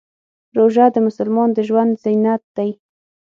روژه د مسلمان د ژوند زینت دی.